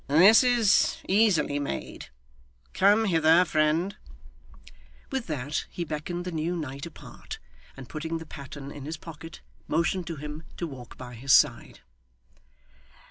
'This is easily made. Come hither, friend.' With that, he beckoned the new knight apart, and putting the pattern in his pocket, motioned to him to walk by his side.